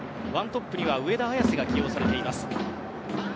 １トップには上田綺世が起用されています。